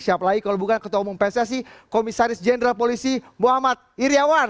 siapa lagi kalau bukan ketua umum pssi komisaris jenderal polisi muhammad iryawan